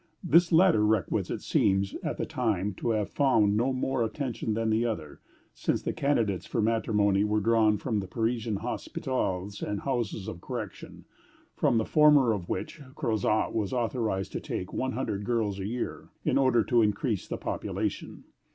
This latter requisite seems, at the time, to have found no more attention than the other, since the candidates for matrimony were drawn from the Parisian hospitals and houses of correction, from the former of which Crozat was authorized to take one hundred girls a year, "in order to increase the population."